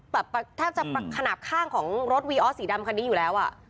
แบบแทบจะขนาดข้างของรถวีออสสีดำคันนี้อยู่แล้วอ่ะ